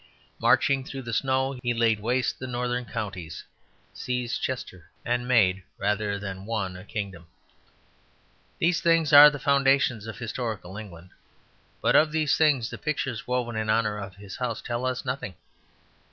Marching through the snow, he laid waste the northern counties, seized Chester, and made rather than won a kingdom. These things are the foundations of historical England; but of these things the pictures woven in honour of his house tell us nothing.